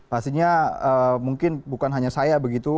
pastinya mungkin bukan hanya saya begitu